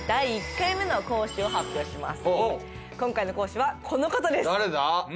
今回の講師はこの方です誰だ？